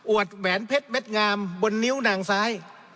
วดแหวนเพชรเม็ดงามบนนิ้วนางซ้าย